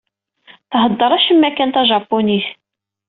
Thedder acemma kan tajapunit